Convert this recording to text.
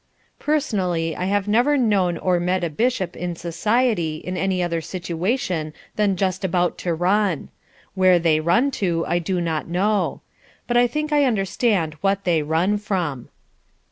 Personally, I have never known or met a Bishop in society in any other situation than just about to run. Where they run to, I do not know. But I think I understand what they run from.